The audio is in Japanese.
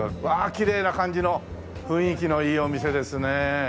わあきれいな感じの雰囲気のいいお店ですね。